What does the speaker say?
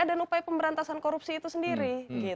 dan upaya pemberantasan korupsi itu sendiri